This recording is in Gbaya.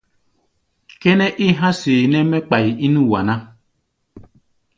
Kʼɛ́nɛ́ é há̧ seeʼnɛ́ mɛ́ kpai ín wa ná.